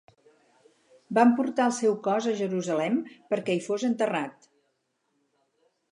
Van portar el seu cos a Jerusalem perquè hi fos enterrat.